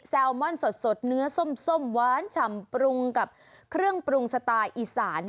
ลมอนสดเนื้อส้มหวานฉ่ำปรุงกับเครื่องปรุงสไตล์อีสาน